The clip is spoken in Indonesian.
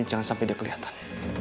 jangan sampai dia kelihatan